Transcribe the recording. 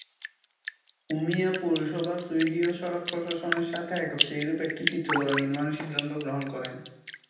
Umeå পৌরসভা সুইডীয় সড়ক প্রশাসনের সাথে একত্রে এরূপ একটি চিত্রকলা নির্মাণের সিদ্ধান্ত গ্রহণ করেন।